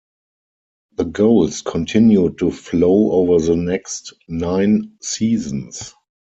The goals continued to flow over the next nine seasons.